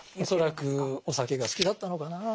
恐らくお酒が好きだったのかな。